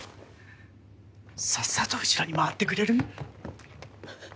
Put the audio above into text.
さっさと後ろに回ってくれる？